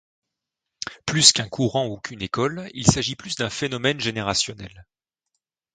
Plus qu'un courant ou qu'une école, il s'agit plus d'un phénomène générationnel.